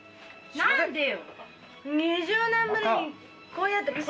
何でよ！